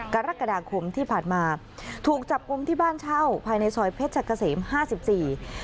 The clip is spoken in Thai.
กรกฎาคมที่ผ่านมาถูกจับกลุ่มที่บ้านเช่าภายในซอยเพชรเกษมห้าสิบสี่